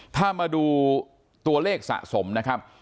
ถ้ามาดูตัวเลขสะสมนะครับ